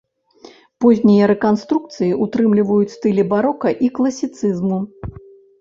Познія рэканструкцыі ўтрымліваюць стылі барока і класіцызму.